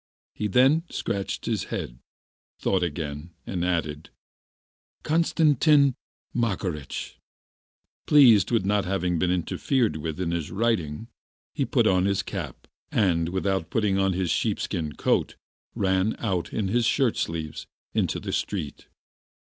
He then scratched his head, thought again, and added: "Konstantin Makarych." Pleased at not having been interfered with in his writing, he put on his cap, and, without putting on his sheep skin coat, ran out in his shirt sleeves into the street.